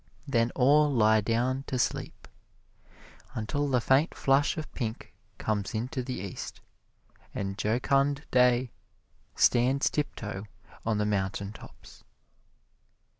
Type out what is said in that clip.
Then all lie down to sleep, until the faint flush of pink comes into the East, and jocund day stands tiptoe on the mountain tops.